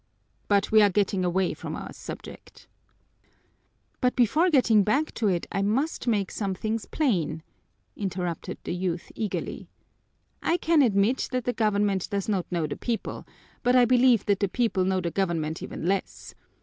But we are getting away from our subject." "But before getting back to it I must make some things plain," interrupted the youth eagerly. "I can admit that the government does not know the people, but I believe that the people know the government even less.